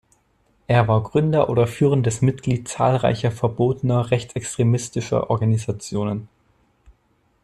Er war Gründer oder führendes Mitglied zahlreicher verbotener rechtsextremistischer Organisationen.